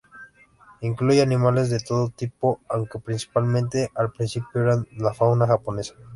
Incluye animales de todo tipo, aunque principalmente al principio eran de la fauna japonesa.